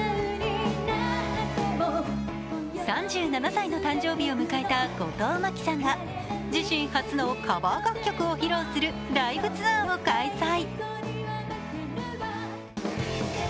３７歳の誕生日を迎えた後藤真希さんが自身初のカバー楽曲を披露するライブツアーを開催。